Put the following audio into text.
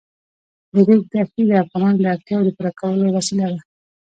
د ریګ دښتې د افغانانو د اړتیاوو د پوره کولو وسیله ده.